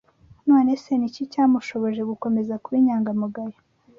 None se ni iki cyamushoboje gukomeza kuba inyangamugayo?